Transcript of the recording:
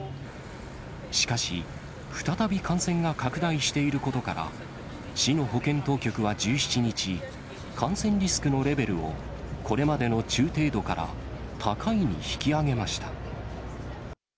しかし、再び感染が拡大していることから、市の保健当局は１７日、感染リスクのレベルを、これまでの中程度から、高いに引き上げました。